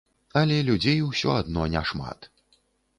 Але людзей усё адно не шмат.